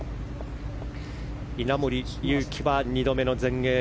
稲森佑貴は２度目の全英。